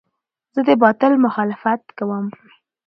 زه د باطل مخالفت کوم.